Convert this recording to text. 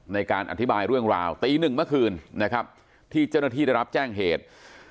ในการอธิบายเรื่องราวตีหนึ่งเมื่อคืนนะครับที่เจ้าหน้าที่ได้รับแจ้งเหตุ